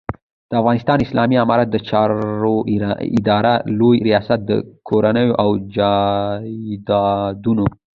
د افغانستان اسلامي امارت د چارو ادارې لوی رياست د کورونو او جایدادونو